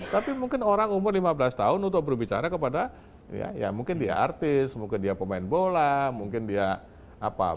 tapi mungkin orang umur lima belas tahun untuk berbicara kepada ya mungkin dia artis mungkin dia pemain bola mungkin dia apa